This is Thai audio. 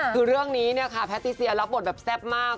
คือเรื่องนี้เนี่ยค่ะแพทติเซียรับบทแบบแซ่บมาก